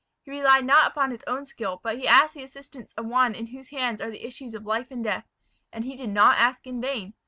He relied not upon his own skill but he asked the assistance of One in whose hands are the issues of life and death; and he did not ask in vain.